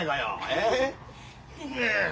ええ？